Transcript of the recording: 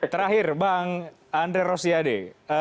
terakhir bang andre rosiade